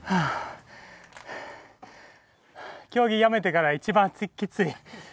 競技やめてから一番きつい。